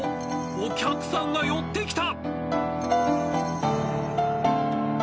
お客さんが寄ってきた。